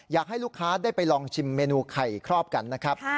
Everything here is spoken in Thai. อยากให้ลูกค้าได้ไปลองชิมเมนูไข่ครอบกันนะครับ